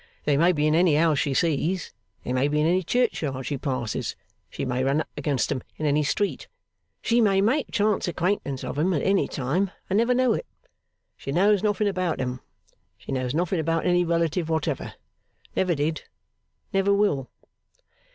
They may be in any house she sees, they may be in any churchyard she passes, she may run against 'em in any street, she may make chance acquaintance of 'em at any time; and never know it. She knows nothing about 'em. She knows nothing about any relative whatever. Never did. Never will.